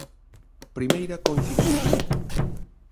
Primeira coincidencia.